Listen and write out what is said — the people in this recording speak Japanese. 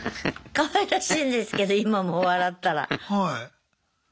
かわいらしいんですけど今も笑ったら。